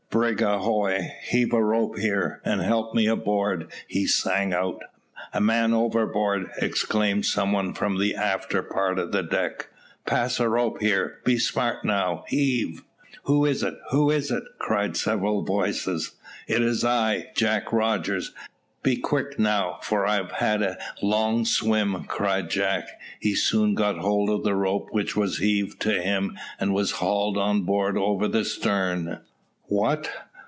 "Brig ahoy. Heave a rope here, and help me aboard," he sang out. "A man overboard!" exclaimed some one from the afterpart of the deck. "Pass a rope here; be smart now. Heave!" "Who is it? who is it?" cried several voices. "It's I, Jack Rogers. Be quick, now, for I've had a long swim," cried Jack. He soon got hold of the rope which was heaved to him, and was hauled on board over the stern. "What!